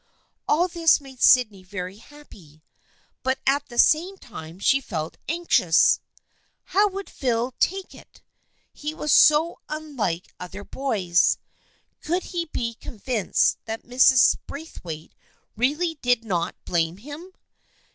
All this made Sydney very happy, but at the same time she felt anxious. How would Phil take it ? He was so unlike other boys. Could he be convinced that Mrs. Braithwaite really did not blame him